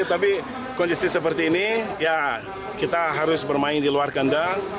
tapi kondisi seperti ini ya kita harus bermain di luar kandang